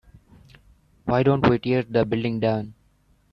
why don't we tear the building down?